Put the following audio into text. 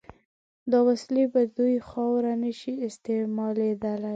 دا وسلې په دوی خاوره نشي استعمالېدای.